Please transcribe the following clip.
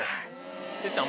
哲ちゃん